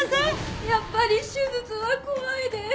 やっぱり手術は怖いです。